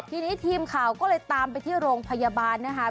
ทีนี้ทีมข่าวก็เลยตามไปที่โรงพยาบาลนะคะ